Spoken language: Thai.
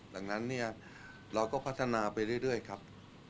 ดังนั้นเนี่ยเราก็พัฒนาไปเรื่อยครับ